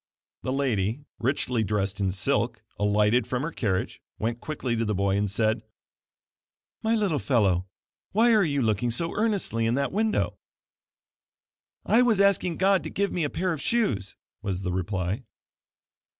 The lady richly dressed in silk, alighted from her carriage, went quickly to the boy, and said: "My little fellow why are you looking so earnestly in that window?" "I was asking God to give me a pair of shoes," was the reply.